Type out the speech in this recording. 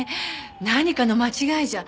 何かの間違いじゃ。